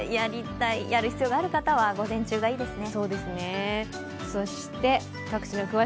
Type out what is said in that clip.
やる必要がある方は、午前中がいいですね。